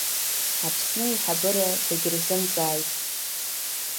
Аԥсны аиҳабыра дагьырзымҵааит…